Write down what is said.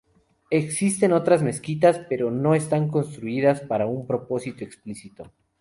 Existen otras mezquitas, pero no están construidas para un propósito explícito.